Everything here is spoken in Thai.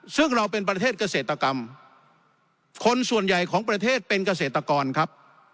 ซึ่งเราเป็นประเทศเกษตรกรรมคนส่วนใหญ่ของประเทศเป็นเกษตรกรครับ